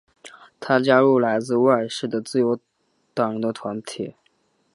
他加入来自威尔士的自由党人的团体。